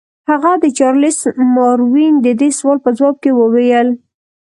هغه د چارلس ماروین د دې سوال په ځواب کې وویل.